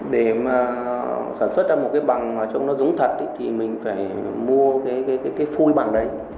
để sản xuất ra một cái bằng mà trông nó dúng thật thì mình phải mua cái phôi bằng đấy